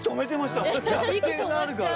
逆転があるから。